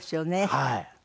はい。